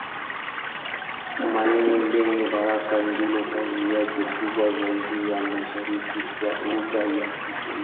Tumaini Lenye Baraka ndiyo kazi yake kubwa zaidi ya mashairi kwa lugha ya Kiswahili.